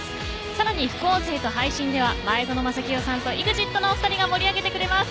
さらに副音声と配信では前園真聖さんとＥＸＩＴのお二人が盛り上げてくれます。